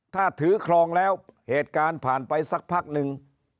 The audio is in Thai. ถ้าถือครองแล้วเหตุการณ์ผ่านไปสักพักนึง